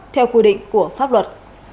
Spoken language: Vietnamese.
theo quy định của pháp luật